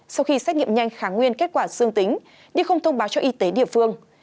sau khi xét nghiệm nhanh kháng nguyên kết quả dương tính nhưng không thông báo cho y tế địa phương